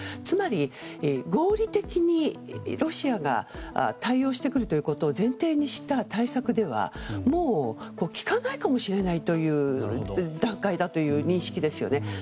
つまり、合理的にロシアが対応してくるということを前提にした対策では効かないかもしれないという段階の認識ですよね。